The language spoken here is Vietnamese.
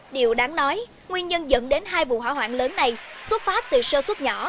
điều đáng nói nguyên nhân dẫn đến hai vụ hỏa hoạn lớn này xuất phát từ sơ xuất nhỏ